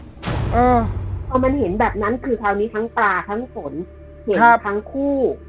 อ่าพอมันเห็นแบบนั้นคือคราวนี้ทั้งปลาทั้งฝนเห็นทั้งคู่